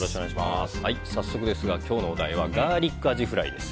早速ですが今日のお題はガーリックアジフライです。